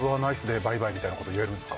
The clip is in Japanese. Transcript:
ｂｙｅｂｙｅみたいなこと言えるんですか？